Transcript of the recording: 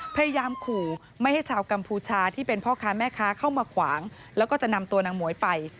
พยายามขู่ไม่ให้ชาวกัมพูชาที่เป็นพ่อค้าแม่ค้าเข้ามาขวางแล้วก็จะนำตัวนางหมวยไป